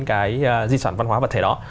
cái di sản văn hóa vật thể đó